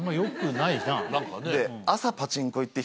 何かね。